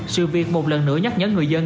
sự việc một lần nữa nhắc nhấn người dân